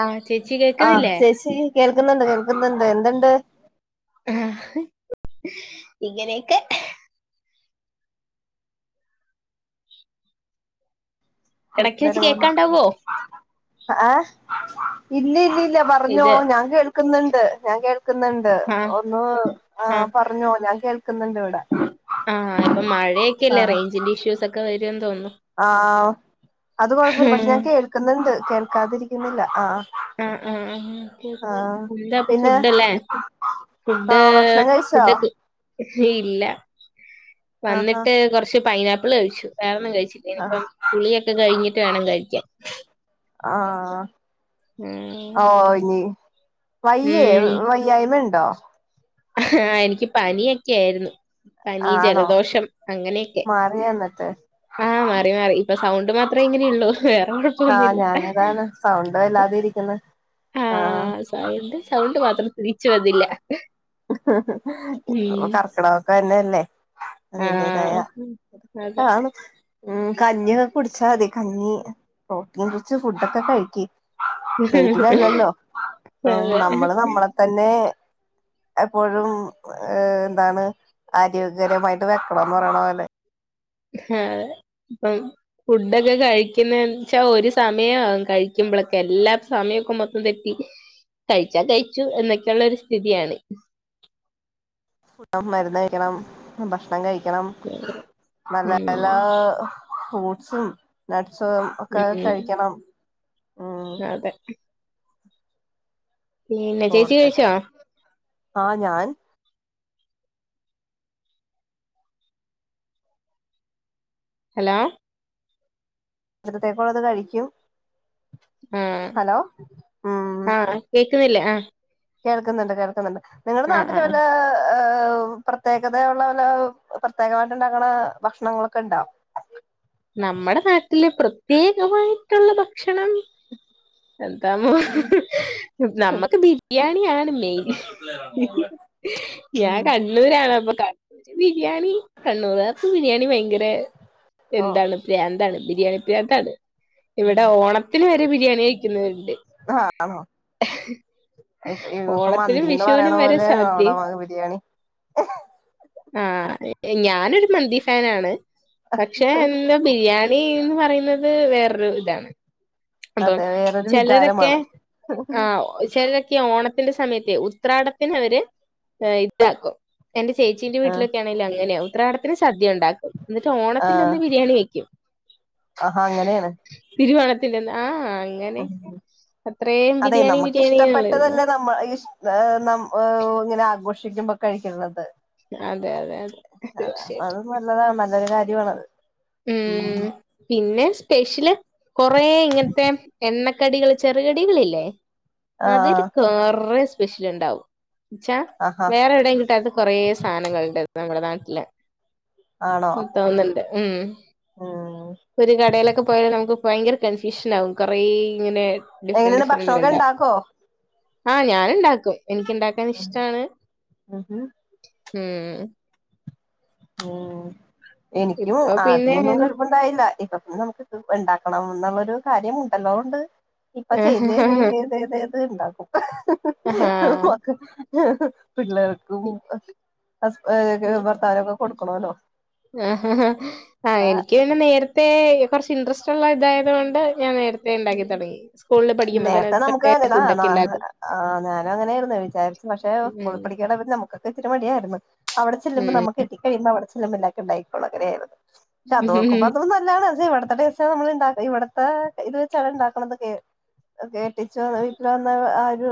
ആഹ് ചേച്ചി ആ കേക്കുന്നില്ലേ ചേച്ചി കേൾക്കുന്നുണ്ടോ ക്ക് ന്നുണ്ട് എന്തുണ്ട് ആ ഇങ്ങനെയൊക്കെ ഇടക്ക് ത വെച്ച് ആ കേക്കാണ്ടാവോ ആഹ [unintelligible] ഇല്ല ഇല്ല ഇല്ല പറഞ്ഞോ ഇത് ഞാൻ കേൾക്കുന്നുണ്ട് ഞാൻ കേൾ ണ്ട് ആഹ് ഒന്ന് പറഞ്ഞോ ഞാൻ കേ ആഹ ഇപ്പൊ മഴയൊക്കെല്ലേ റേഞ്ചിന്റെ ഇഷ്യൂസ് ഒക്കെ വ ആഹ അത് കൊഴപ്പമില്ല പക്ഷെ ഉം ഞാൻ കേൾക്കുന്നുണ്ട് കേൾക്കാതിരിക്കുന്നില്ല ആ ആഹ ആ എന്താപ്പ പിന്നെ ഫുഡ്ല്ലേ ഫുഡ് ആഹ് ഭക്ഷണം കഴിച്ചോ ഫുഡക്ക് ഇല്ല ആഹാ വന്നിട്ട് കുറച്ച് പൈനാപ്പിൾ കഴിച്ചു കഴിച്ചിട്ടനി ആഹ് ഇപ്പം കുളിയൊക്കെ കഴിഞ്ഞിട്ട് വേണം കഴിക്കാൻ ആഹ ഉം ഓ വയ്യേ വയ്യായ്മ ഉണ്ടോ ആ എനിക്ക് പനിയോക്കെ ആയിരുന്നു പനി ആണോ ജലദോഷം അങ്ങനെ മാറിയോ എന്നിട്ട് ആ മാറി മാറി ഇപ്പൊ സൗണ്ട് മാത്രേ ഇങ്ങനെയള്ളൂ വേറെ ആഹ കുഴപ്പൊന്നുമില്ല ഞാന് അതാണ് സൗണ്ട് വല്ലാതെ ഇരിക്കുന്ന ആഹ സൗണ്ട് സൗണ്ട് മാത്രം തിരിച്ച് വന്നില്ല ഉം കർക്കിടമൊക്കെ തന്നെയല്ലേ അതിന്റെതായ ആഹ് ഇതൊക്കെ അതെ കാണും ഉം കഞ്ഞിയോക്കെ കുടിച്ചാൽ മതി കഞ്ഞി പ്രോട്ടീൻ കുടിച്ച് ഫുഡൊക്കെ കഴുകി വീട്ടിലല്ലല്ലോ ഉഉം അതെ നമ്മള് നമ്മളെ തന്നെ എപ്പോഴും എന്താണ് ആരോഗ്യകരമായിട്ട് വെക്കണന്ന് പറയണ പോലെ ആ ഇപ്പം ഫുഡൊക്കെ കഴിക്കുന്നച്ചാൽ ഒരു സമയും ആവും കഴിക്കുമ്പ മ്പളൊക്കെ എല്ലാ സമയമൊക്കെ മൊത്തം തെറ്റി കഴിച്ചാ കഴിച്ചു എന്നൊക്കെയുള്ള ഒരു സ്ഥിതിയാണ് മരുന്ന് കഴിക്കണം ഭക്ഷണം കഴിക്കണം ണം ഉം നല്ലല്ല ഫ്രൂട്സും സും ഒക്കെ ഉം കഴിക്കണം ഉം അതെ പിന്നെ ചേച്ചി കഴിച്ചാ ആഹ ഞാൻ ഹലോ ഉച്ചക്കത്തെക്കുള്ളത് കഴിക്കും ആഹ ഹലോ ഉം ആഹ കേക്കുന്നില്ലേ ആഹ കേൾക്കുന്നുണ്ട് കേൾക്കുന്നുണ്ട് നിങ്ങളുടെ നാട്ടില് ആഹ് വല്ല ഹ പ്രത്യേകതയുള്ള പോല പ്രത്യേകമായിട്ട് ഇണ്ടാക്കണ ഭക്ഷണങ്ങളൊക്കെ ഇണ്ടാവും നമ്മുടെ നാട്ടില പ്രത്യേകമായിട്ടുള്ള ഭക്ഷണം എന്താമോ നമ്മുക്ക് ബിരിയാണിയാണ് മെയിൻ ഉം ഞാൻ കണ്ണൂരാണ് അപ്പൊ കണ്ണൂർ ബിരിയാണി കണ്ണൂരാർക്ക് ബിരിയാണി ഭയങ്കര ഓഹ് എന്താണ് പ്രാന്താണ് ബിരിയാണി പ്രാന്താണ് ഇവിടെ ഓണത്തിന് വരെ ബിരിയാണി കഴിക്കുന്നവരുണ്ട് ആഹ് ആണോ ഇപ്പൊ ഓണത്തിനും മന്തിന്ന് പറയണ വിഷുവിനും വരെ പോലെ സദ്യ അവിടെ ബിരിയാണി ആഹ ഞാനൊരു മന്തി ഫാനാണ് പക്ഷെ എന്താ ബിരിയാണി എന്ന് പറയുന്നത് വേറൊരു ഇതാണ് അപ്പം അതെ വേറൊരു ചിലരൊക്കെ വികാരമാണ് ആ ചിലരൊക്കെ ഓണ ത്തിന്റെ സമയത്തെ ഉത്രാടത്തിന് അവര് ഇതാക്കും എന്റെ ചേച്ചീന്റെ ആഹ് വീട്ടിലൊക്കെ ആണെങ്കിലും അങ്ങനെവും ഉത്രാടത്തിന് സദ്യ ഉണ്ടാക്കും. എന്നട്ട് ഓണ [unintelligible] തിൽ ആഹ് അന്ന് ബിരിയാണി വെക്ക്യും. ആഹാ അങ്ങനെണ്. [unintelligible] തില്ലല്ലോ ആ അങ്ങനെ അത്രയും അതെ ബിരിയാണി നമ്മക്ക് ബിരിയാണി എന്നുള്ളായിരുന്നു ഇഷ്ടപ്പെട്ടതല്ലെ നമ്മൾ ഇഷ് നമ് ഇങ്ങനെ ആഘോഷി ക്ഷിക്കുമ്പോ കഴിക്ണത് അത്. അതെ അതെ അതെ അതാണ് അപ്പ തീർച്ചയായിട്ടും അത് നല്ലതാണ് നല്ലൊരു കാര് [unintelligible] മ് പിന്നെ സ്പെഷ്യല് കൊറെ ഇങ്ങൻത്തെ എണ്ണ കടികൾ ചെറുകടികളല്ലേ അതില് ആഹ് കെറെ സ്പെഷ്യലുണ്ടാവും ഉച്ചാ ആഹാ വേറെ എവിടെയും കിട്ടാത്ത കൊറെ സാധനങ്ങൾണ്ട് നമ്മുടെ നാട്ടില് ആണോ തോന്നുന്നുണ്ട് ഉം ഉം ഒരു കടയിലൊക്കെ പോയാല് നമുക്ക് ഭയങ്കര കൺഫ്യൂഷൻ ആകും കൊറെ ഇങ്ങനെ ഡിഫറന്റ് എങ്ങനെയാണ് ഡിഫറെന്റ് ഭക്ഷണൊക്കെ കണ്ടാ ഇണ്ടാക്കോ ആ ഞാന് ഇണ്ടാക്കും എനിക്ക് ഇണ്ടാക്കാൻ ഇഷ്ടാണ് ഉം ഉം ഉം എനിക്കും ഇപ്പൊ പിന്നെ ആദ്യംഒന്നും അങ്ങനെ കൊഴപ്പുണ്ടായില്ല അത് നമുക്ക് ഇത് ഉണ്ടാക്കണം എന്നുള്ളൊരു കാര്യമുണ്ടല്ലോണ്ട് ഇപ്പൊ ചെയ്ത് ചെയത്ത് ത് ത് ഏത് ഇണ്ടാക്കും ആഹാ പിള്ളേർക്കും ഭർത്താവും ഒക്കെ കൊടുക്കണല്ലോ ആ എനിക്ക് പിന്നെ നേരത്തെ കുറച്ച് ഇൻട്രസ്റ്റ് ഉള്ള ഇതായതു കൊണ്ട് ഞാൻ നേരി നേർത്തേ നമുക്ക് തൊട്ടേ ഞഞഞാന ഫുഡൊക്കെ ഉണ്ടാക്കും ഞാനങ്ങനെയ്ർന്നു വിചാരി പക്ഷെ ഉം കൂലിപ്പണിക്കാരനായ ന്നെ നമുക്ക് ഒത്തിരി മടിയായിരുന്നു അവിടെ ചെല്ലുമ്പോ ഉം നമുക്ക് കെട്ടികഴിയുമ്പോ അവിടെ ചെല്ലുമ്പോ ഇല്ലത്തണ്ടാകി കോള്ളങ്ങനെയായിരുന്നു അതോഓർക്കുമ്പോ തും നല്ലാണ് അ ഇവിട [unintelligible] ഇവിടത്തെ ഇത് വെച്ച അണ് ഉണ്ടാക്കണ എന്നൊക്കെ. കെട്ടിച്ചു ഇപ്പ വന്ന ആ ഒരു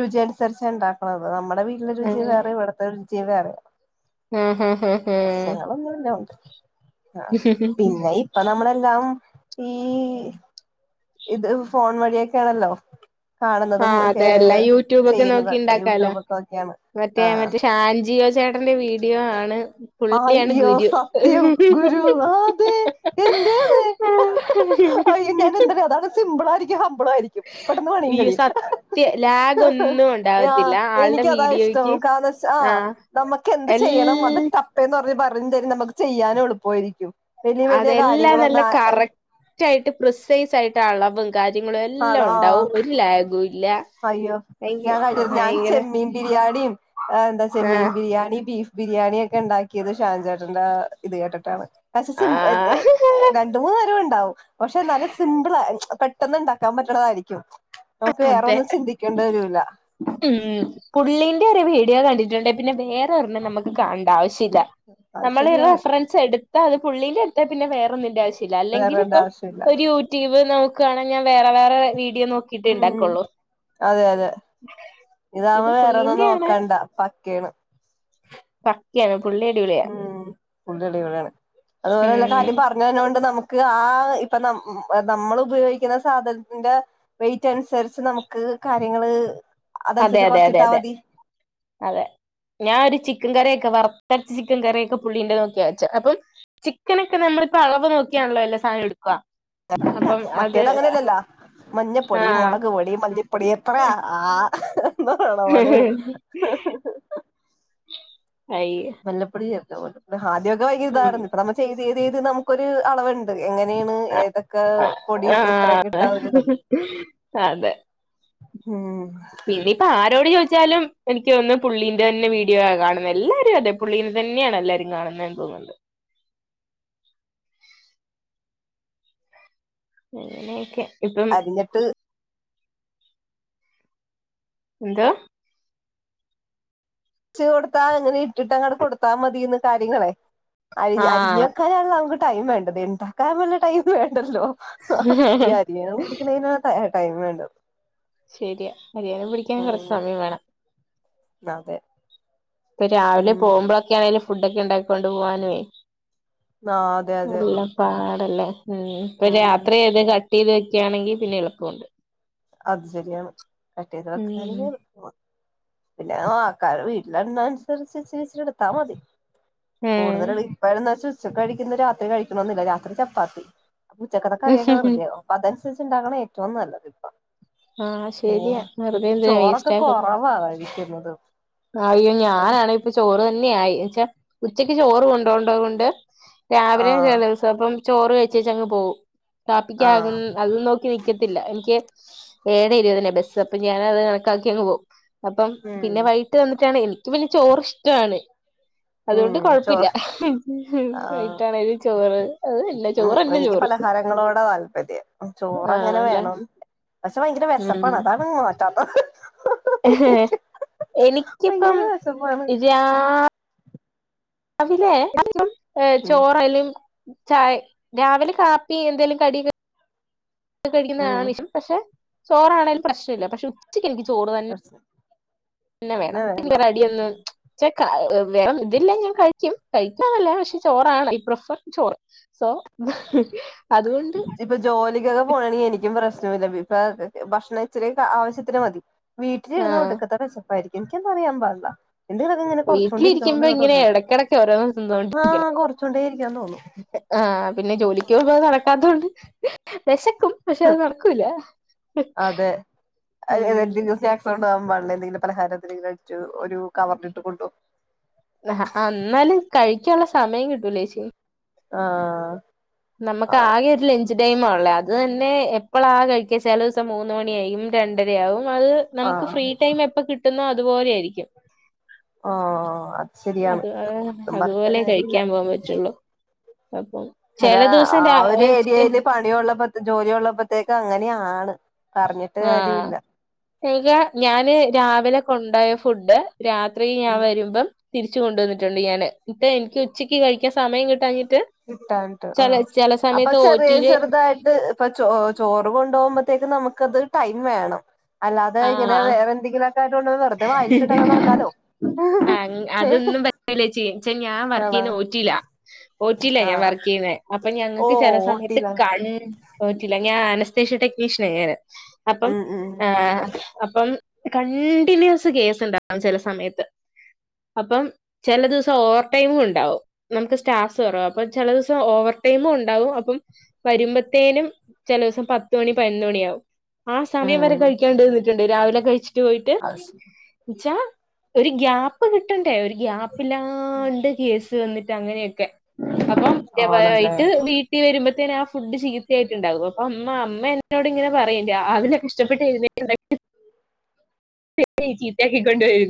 രുചി അനുസരിച്ച ഉണ്ടാക്കുന്നത്. നമ്മ മ്മളെ വീട്ടിലെ ആ രുചി വേറെ ഇവിടത്തെ രുചി വേറെ ആ ആ പ്രശ്നങ്ങളൊന്നുല്ല അതോണ്ട്. ആഹ് പിന്നെ ഇപ്പ നമ്മളെല്ലാം ഈ ഇത് ഫോൺ വഴിയൊക്കെയാണല്ല? ആ കാണുന്നതും ഒക്കെ അതെല്ലാം യൂട്യൂബൊക്കെ നോക്കി ചെയ്യുന്നതൊക്കെ ഉണ്ടാക്കാലോ യൂട്യൂബഒക്കെ ഒക്കെയാണ്. മറ്റേ മറ്റേ ഷാൻജിയോ ചേട്ടന്റെ വീഡിയോ ആണ്. പുള്ളിയാണ് അയ്യോ ഗുരു സത്യം ഗുരു അ അതെ എന്റെഅതെ അയ്യോ ഞാൻ [unintelligible] സിമ്പിളും ആയിരിക്ക്യും ഹംമ്പ്ളും ആയിരിക്ക്യും പെട്ടന്ന് പണിയും ഈ കയ്യും. സത്യ ലാഗ് ഒന്നും ആ ഉണ്ടാവത്തില്ല ആളുടെ എനിക്ക്താ ഇഷ്ടം വീഡിയോയ്ക്ക് കാരണ ആ നമ്മക്ക് എന്ത് എൽ ചെയ്യ ചെയ്യണം അത് ട്ടപ്പെന്ന് പറയും തരും നമുക്ക് ചെയ്യാനും എളുപ്പമായിരിക്ക്യും. അതെല്ലാം നല്ല കറക്റ്റ് ആയിട്ട് പ്രിസൈസ് ആയിട്ട് അളവ് കാര്യങ്ങളും ആള് എല്ലാം ആഹ് ഉണ്ടാവും ഒരു ലാഗ്വും ഇല്ല അയ്യോ ഭയ്ക്ക ഞാൻ ഭയ്ങ്കര അഎന്താ ചെമ്മീൻ ബിരിയാണി ബീഫ് ബിരിയാണി ഒക്കെ ഇണ്ടാക്കിയത് ഷാൻചാട്ടന്റെ ഇത് കേട്ടിട്ടാണ്. പക്ഷേ ആ സിം രണ്ട്, മൂന്നു നേരം ഇ ണ്ടാവും പക്ഷെ നല്ല സിമ്പ്ള പെട്ടെന്ന് ഇണ്ടാക്കാൻ പറ്റണതായിരിക്കും. നമുക്ക് വേറെ ഒന്ന് മ് പുള്ളിന്റെ ഒരു വീഡിയോ കണ്ടിട്ടുണ്ട് പിന്നെ വേ [unintelligible] നമുക്ക് കാണ്ട ആവശ്യ ഇല്ല അത് നമ്മള് ശരിയാണ് റഫറൻസ് എട് ന്തലും പുള്ളി ൻ്റെടുത്താ പിന്നെ വേറൊന്നി ന്റെ ആവശ്യല്ല. അല്ലെങ്കിൽ വേറെണ്ട ഇപ്പം ആവശ്യമില്ല ഒരു യൂട്യൂബ് നമുക്ക് കാണൻ ഞാൻ വേറെ വേറെ വീഡിയോ നോക്കിട്ടെ ഉം ഇണ്ടാക്കൊള്ളൂ. അതെ അതെ ഇത് ഇതാവുമ്പോ വേറെ ഒന്നും നോക്കണ്ടാ പക്കേണ്. പ ഉം പുള്ളിവിടേണ് അതുപോലെ എല്ല ഉം കാര്യം പറഞ്ഞെര്ണോണ്ട് നമുക്ക് ക്ക് ആ ഇപ്പ നമ്മൾ ഉപയോഗിക്കുന്ന സാധനത്തിന്റെ വെയ്റ്റ് അനുസരിച്ച് നമുക്ക് കാര്യങ്ങള് അതെ അതനുസരിച്ച് അതെ അതെ കൊറച്ചിട്ടാ അതെ മതി അതെ ഞാൻ ഒരു ചിക്കൻ കറിയൊക്കെ വറുത്തടച്ച ചിക്കൻ കറിയൊക്കെ പുള്ളിണ്ട നോക്കിയച്ച അപ്പൊ ചിക്കനൊക്കെ നമ്മളിപ്പോൊ അളവ് നോക്കിയാണല്ലോ എല്ലാ സാധനം എടുക്കുക അപ്പം അത് മട്ടേത് അങ്ങനെയല്ലല്ലാ മഞ്ഞപ്പൊടി ആഹ് മുളക് പൊടി മല്ലഞ്ഞപ്പൊടി എത്ര ആ ന്തറണ വോണ് അയ്യേ മല്ലപ്പൊടി ചല്ലല്ല ഹാദ്യമൊക്കെ വൈകി ഉം ഇതായി ഇപ്പ നമ്മ ചെയ്ത്്ത്ഴ്തി നമുൊരു അളവുണ്ട് എങ്ങനെയാണ് ഏതൊക്കെ പൊടി എത്ര കിട്ടാൊ ഒരുതുണ്ട് പിന്നെപ്പ ആരോട് ചോദിച്ചു വാലും എനിക്ക് ഒന്ന് പുള്ളീന്റെ തന്നെ വീഡിയോ ആ കാണുന്ന എല്ലാവാരും അതെ പുള്ളീെ തന്നെയാണ് എല്ലാവരും കാണുന്നത്തുന്നത് ല്ലേ അ അങ്ങനെ ഓക്കെ അരിഞ്ഞിട്ട് എന്താ പച്ച് കൊടുത്താ അങ്ങനെ ഇട്ടിട്ട് അങ്ങട്ട കൊടുത്താ മതിയന്ന് കാര്യങ്ങളെ അരി അരിഞ്ഞ ആഹ് വക്കാനാണ് നമുക്ക് ടൈം വേണ്ടത് ഉണ്ടാക്കാൻ പോല ടൈം വേണ്ട ഉണ്ടല്ലോ ഈ അരിയ കുടിക്കുന്നാണ് ടൈം വേണ്ടത് ശരിയാ ഹരിയാന പിടിക്കാൻ കൊറച്ച് സമയം വേണം ഇത ഇപ്പൊ രാവിലെ പോകുമ്പോഴൊക്കെ ആണെലും ഫുഡൊക്കെ ഉണ്ടാക്കൊണ്ട് പോവാനുവേ ആഹ അതെ അതെ ല്ലേ ഉ ഇപ്പൊ ഉം രാത്രി ഏത് കട്ട് ചെയ്ത് വെക്കയാണെങ്കി പിന്നെ എളുപ്പമുണ്ട് അത് ശരിയാണ് കട്ട ചെയത് ഉം വെക്കാന പിന്നെ ആൾക്കാർ വീട്ടിലെണ്ണ അനുസരിച്ച് ചിരിച്ച എടുത്താ മതി ഉം കൂടുതൽ ഇപ്പഴന്ന് വെച്ച ഉച്ച കഴിക്കുന്നത് രാത്രി കഴിക്കണെന്നില്ല രാത്രി ചപ്പാത്തി ഉച്ചക്ക കറൊക്കെറുതെും അതനുസരിച്ചണ്ടാക്കണം ഏറ്റവും നല്ലത്പ്പൊ ആഹ ശെരിയാ വെറുതെന്തിനാ ചോറൊക്കെ വേസ്റ്റ് ആക്കല കൊറവാ കഴിക്കുന്നത് അയ്യോ പക്ഷെ ഞാനാാണ് ഇപ്പൊ ചോറ് തന്നെയ ആായി എന്നച്ച ഉച്ചക്ക് ചോറ് കൊണ്ടോണ്ട കൊണ്ട് ആ രാവിലെയ ച ദിവസം അപ്പം ചോറ് കഴിച്ചേച്ച അങ്ങ് പോകവും പ്പിക്ക ആ അത് നോക്കി നിക്കത്തില്ല എനിക്ക് ഏഴ ഇരുപതിനന്നെ ബസ്സ് അപ്പൊ ഞാൻത് ാക്കിയ പോകും അപ്പം ഉം പിന്നെ വൈകിട്ട് വന്നിട്ടാണ് എനിക്ക് പിന്നെ ചോറ് ഇഷ്ടമാണ് അതുകൊണ്ട് ഉം കൊഴപ്പില്ല ചോറ് എ ആഹ് വട്ടണത് ചോറ് അത് എന്ന ചോറ് എന്ന ചോറ് പലഹാരങ്ങളോട് താല്പര്യം ചോറങ്ങനെ ആണല്ലേ വേണം പക്ഷെ ഭയങ്കര വിശപ്പാണ് ഉം അതാണ് മാോറ്റാത്ത എനിക്കിപ്പം ഭയങ്കര വിശപ്പാണ് അവിലെ ഉം ചോറലും ചായ രാവിലെ കാപ്പി എന്തെേലും കട ഉം കഴിക്കുന്നഷം പക്ഷെ ചോറാണേങ്കലും പ്രശ്നമില്ല പക്ഷെ ഉച്ചക്ക് എനിക്ക് ചോറ് തന്നെ പിന്നെ വേണം അടന്ന്െ വേറെം ഇതില്ല ഞാൻ കഴിക്കും കഴിക്കുന്നന്നല്ല പക്ഷെ ചോറാണ് ഐ പ്രിഫർ ചോറ് സോ അതുകൊണ്ട് ഇപ്പൊ ജോലിക്കൊക്കെ പോണണെങ്കിൽ എനിക്കും പ്രശ്നം ഭിലഭി ഭക്ഷണ ഇച്ചിരി ആവ്യത്തിന് മതി വീട്ടിലിരുന്ന് ആഹ് കൊടുക്കത്തെ വെച്ചപ്പായിരിക്കും എിക്കെന്ത വ അബാാ എന്തെങ്കിലൊക്കെ ഇങ്ങനെ കൊറച്ചോൊണ്ടേ വീട്ടിലിരിക്കുമ്പോ ഇരിക്കണന്ന്ങ്ങെ ഇങ്ങനെ തോന്നുന്നുണ്ട് ഇടക്കിടക്ക് ഓരോന്ന് ആഹ് കൊറച്ചോണ്ടേ ഇരിക്കാന്ന് തോന്നു ആഹ പിന്നെ ജോലിക്ക് പോകുമ്പോ അത് നടക്കാത്തോണ്ട് വിശക്കും പക്ഷെ അത് നടക്കൂല ഉ വെള്ളം എന്തെങ്കിലും പലഹാരത്തിെങ്കിലും അു ഒരു കവറി ഇട്ട് കൊണ്ടുപോ ആ എന്നാല കഴിക്കാനുള്ള സമയം കിട്ടൂല ചേച്ചി ആഹ് നമുക്ക് ആഹ് ആകെ ഒരു ലഞ്ച് ടൈംള്ളേ അത് തന്നെ എപ്പള കഴിക്കാ ചില ദിവസം മൂന്ന് മണിയായും രണ്ടരയാവും അത് നമുക്ക് ഫ്രീ ആഹ് ടൈം എപ്പ കി കിട്ടുന്ന അതുപോലെ ആയിരിക്കും ഓ അത് ശെരിയാണ് അത് ഒന്നും പറഞ്ഞിട്ട് അതുപോലെ കാര്യമില്ല കഴിക്കാൻ പോകാൻ പറ്റുള്ളൂ അപ്പം ചെല അതാ ദിവസം ആ രാ ഒരു ഏരിയയില് പണിയള്ളപ്പോ ജോലിയ ഉള്ളപ്പോത്തേക്ക് അങ്ങനെയാണ് പറഞ്ഞിട്ട് ആഹ് കാര്യമില്ല [unintelligible] ഞാന് രാവിലെ കൊണ്ട് പോയ ഫുഡ് രാത്രി ഞാൻ വരുമ്പം തിരിച് കൊണ്ടുവന്നിട്ടണ്ട് ഞാൻ ന്നിട്ട് എനിക്ക് ഉച്ചക്ക് കഴിക്കാൻ സമയം കിട്ടാഞ്ഞി കിട്ടാഞ്ഞിട്ട് ആ അപ്പൊ ചെറിയ ഓറ്റിയില് ചെറുതായിട്ട് ഇപ്പൊ ചോ ചോറ് കൊണ്ടുപോകുമ്പോത്തേക്ക് നമുക്കത് ടൈം വേണം അല്ലാതെ ഇങ്ങനെ ആഹ് വേറെന്തെങ്കിലുംക്കെ ഏഹ് അതൊന്നും പറ്റില്ല ചി ചെയ്യ ഞാൻ വർക്ക് ചെയ്യ ആണോ തോറ്റില്ല ഓറ്റില്ല ഞാൻ ആഹ് വർക്ക് ചെയ്യുന്ന അപ്പൊ ഓ ഞങ്ങക്ക് ചില സമയത്ത് ഓട്ടീല കണ് ഓറ്റില്ല ഞാൻ ഷ ടെക്നീഷ്യൻ ആണ് ഞാൻ അപ്പം ഉം ഉം അപ്പം ക കണ്ടീനുസ് കേസ് ഉണ്ടാവും ചില സമയത്ത് അപ്പം ചില ദിവസം ഓവർ ടൈമും ഉണ്ടാവും നമുക്ക് സ്റ്റാഫ് കുറവ് അപ്പം ചില ദിവസം ഓവർ ടൈം ഉണ്ടാവും അപ്പം വരുമ്പോത്തേനും ചില ദിവസം പത്ത് മണി പതിനൊന്ന് മണിയാവും ആ സമയം ഉം വരെ കഴിക്കാണ്ടിരുന്നിട്ടുണ്ട് രാവിലെ കഴിച്ചിട്ട് പോയിട്ട് അത് ശരി ച്ചാ ഒരു ഗ്യാപ്പ് കിട്ടണ്ടേ ഒരു ഗ്യാപ്പില്ലാണ്ട് കേസ് [unintelligible] അങ്ങനൊക്കെ അപ്പട്ട് ആണല്ലേ വീട്ടിൽ വരു [unintelligible] ആ ഫുഡ് ചീത്തയായിട്ട്ണ്ടാകുന്നു അപ്പൊ അമ്മ അമ്മ എന്നോട് ഇങ്ങനെ പറയും രാവിലെ കഷ്ടപ്പെട്ട് എഴുന്നേറ്റ് ഉണ്ടാക്കിയ [inaudible] [unintelligible] ചിത്താക്കികൊണ്ട്വരും